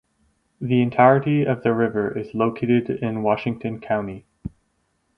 The entirety of the river is located in Washington County.